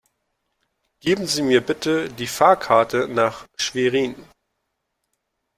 Geben Sie mir bitte die Fahrkarte nach Schwerin